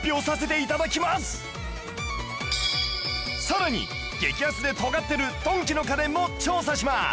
さらに激安で尖ってるドンキの家電も調査します